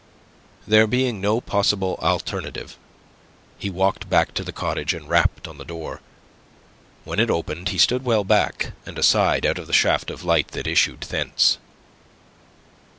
There being no possible alternative, he walked back to the cottage, and rapped on the door. When it opened, he stood well back, and aside, out of the shaft of light that issued thence.